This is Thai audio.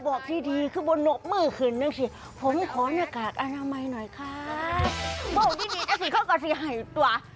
บอกดิดิสซิล่ายสีข้าว